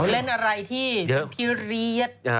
เล่นอะไรที่พี่เรียส